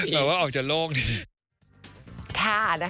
เหมือนว่าออกจากโลกดี